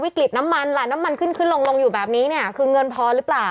กลิ่นน้ำมันล่ะน้ำมันขึ้นขึ้นลงลงอยู่แบบนี้เนี่ยคือเงินพอหรือเปล่า